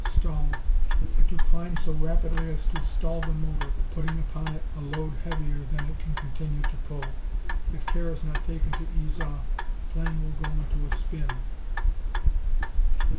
Stall To climb so rapidly as to stall the motor, putting upon it a load heavier than it can continue to pull. If care is not taken to ease off, plane will go into a spin.